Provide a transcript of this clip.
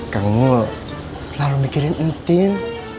kamu selalu mikirin tintin